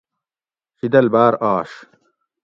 شیدل باۤر آش